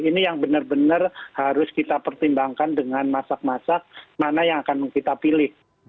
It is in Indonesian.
ini yang benar benar harus kita pertimbangkan dengan masak masak mana yang akan kita pilih